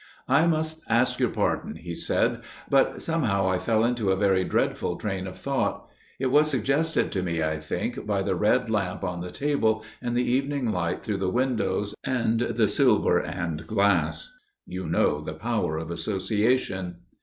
"I must ask your pardon," he said, "but somehow I fell into a very dreadful train of thought. It was suggested to me, I think, by the red lamp on the table and the evening light through the windows, and the silver and glass. (You know the power of association!)